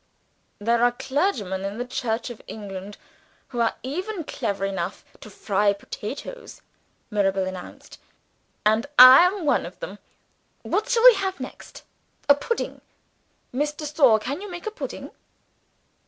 "There are clergymen in the Church of England who are even clever enough to fry potatoes," Mirabel announced "and I am one of them. What shall we have next? A pudding? Miss de Sor, can you make a pudding?"